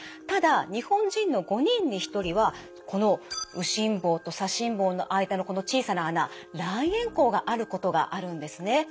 ただ日本人の５人に１人はこの右心房と左心房の間のこの小さな孔卵円孔があることがあるんですね。